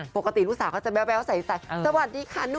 ปกติลูกสาวก็จะแบ๊ววันนี้แพ้